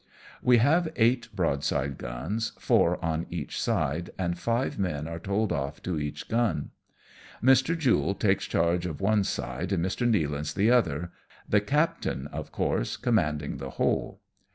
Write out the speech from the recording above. We haTe eight broadside guns, four on each side, and five men are told off to each gun. Mr. Jule takes charge of one side and Mr. Nealance the other, the captain, of course, commanding the whole.